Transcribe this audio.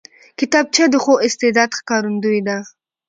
کتابچه د ښو استعداد ښکارندوی ده